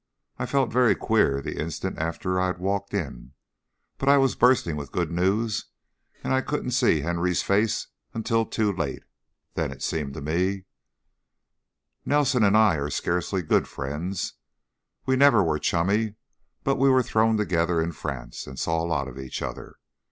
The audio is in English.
I felt very queer, the instant after I had walked in. But I was bursting with good news and I couldn't see Henry's face until too late. Then, it seemed to me " "Nelson and I are scarcely 'good' friends we never were chummy but we were thrown together in France and saw a lot of each other.